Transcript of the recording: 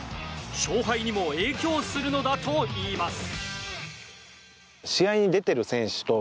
勝敗にも影響するのだといいます。